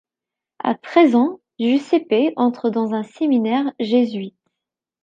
À treize ans, Giuseppe entre dans un séminaire jésuite.